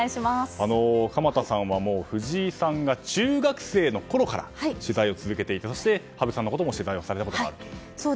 鎌田さんは藤井さんが中学生のころから取材を続けてきてそして羽生さんのことも取材をされたことがあると。